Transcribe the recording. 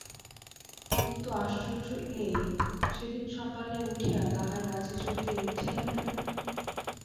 কিন্তু আশ্চর্য এই, সেদিন সকালে উঠিয়াতাহার গাছে চড়িতে ইচ্ছাই হইল না।